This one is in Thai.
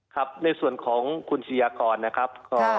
ครับในส่วนของคุณชายากรนะครับ